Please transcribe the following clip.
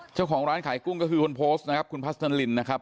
เจ้าของร้านขายกุ้งก็คือคนโพสต์นะครับคุณพัฒนลินนะครับ